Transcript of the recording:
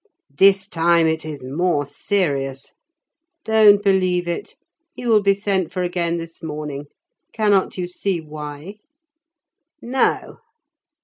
"This time it is more serious." "Don't believe it. He will be sent for again this morning; cannot you see why?" "No."